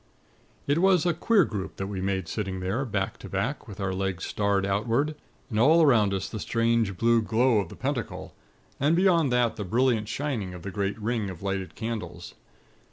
"It was a queer group that we made sitting there, back to back, with our legs starred outward; and all around us the strange blue glow of the Pentacle, and beyond that the brilliant shining of the great ring of lighted candles.